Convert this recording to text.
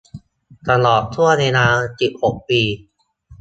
ตลอดช่วงเวลา สิบหก ปี